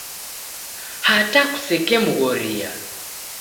Hata kusekemghoria.